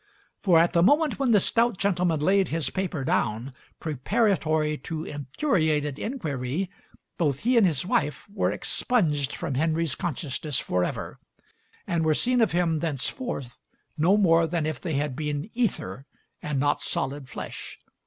For at the moment when the stout gentleman laid his paper down, preparatory to infuriated inquiry, both he and his wife were expunged from Henry's conscious ness forever and were seen of him thenceforth no more than if they had been ether and not solid flesh.